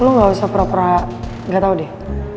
lo gak usah pera pera gak tau deh